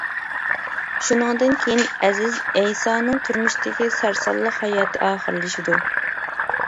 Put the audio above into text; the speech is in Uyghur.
شۇنىڭدىن كىيىن ئەزىز ئەيسانىڭ تۇرمۇشىدىكى سەرسانلىق ھاياتى ئاخىرلىشىدۇ.